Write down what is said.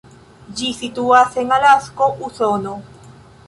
Ĝi situas en Alasko, Usono.